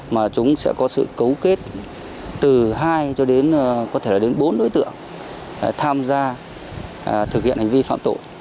mà chúng sẽ có sự cấu kết từ hai cho đến có thể là đến bốn đối tượng tham gia thực hiện hành vi phạm tội